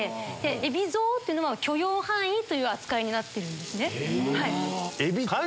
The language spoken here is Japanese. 「海老蔵」っていうのは許容範囲という扱いになってる。